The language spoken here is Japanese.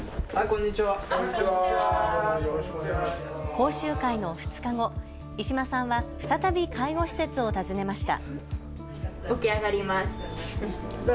講習会の２日後、石間さんは再び介護施設を訪ねました。